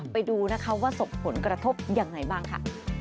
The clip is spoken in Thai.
ไปดูว่าส่งผลกระทบอย่างไรบ้างค่ะ